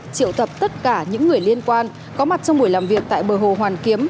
triệu tập tất cả những người liên quan có mặt trong buổi làm việc tại bờ hồ hoàn kiếm